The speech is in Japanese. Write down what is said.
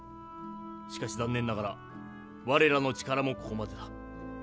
しかし残念ながら我らの力もここまでだ。